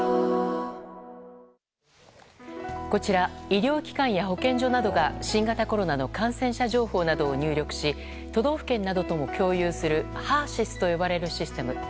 医療機関や保健所などが新型コロナの感染者情報などを入力し都道府県などとも共有するＨＥＲ‐ＳＹＳと呼ばれるシステム。